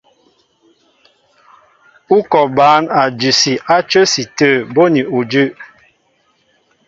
Ú kɔ bǎn a dʉsi á cə́si tə̂ bóni udʉ́.